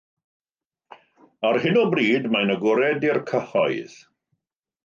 Ar hyn o bryd, mae'n agored i'r cyhoedd.